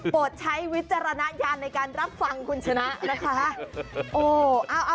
ใช้วิจารณญาณในการรับฟังคุณชนะนะคะ